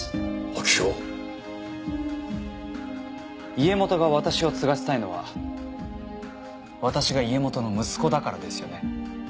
家元が私を継がせたいのは私が家元の息子だからですよね